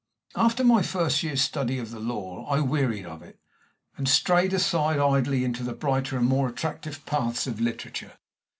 After my first year's study of the law, I wearied of it, and strayed aside idly into the brighter and more attractive paths of literature.